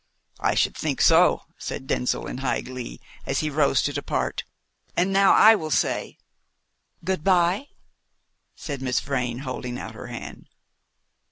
"I should think so," said Denzil, in high glee, as he rose to depart; "and now I will say " "Good bye?" said Miss Vrain, holding out her hand.